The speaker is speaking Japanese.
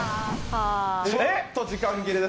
ちょっと時間切れです。